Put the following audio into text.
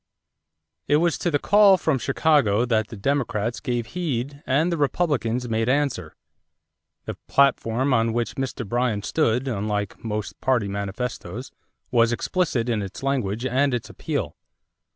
= It was to the call from Chicago that the Democrats gave heed and the Republicans made answer. The platform on which Mr. Bryan stood, unlike most party manifestoes, was explicit in its language and its appeal.